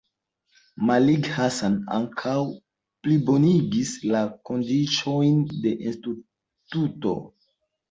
Malling-Hansen ankaŭ plibonigis la kondiĉojn de Instituto.